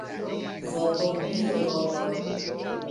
Voku biologon!